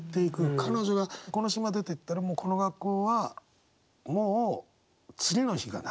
彼女がこの島出てったらもうこの学校はもう次の日がなくなる。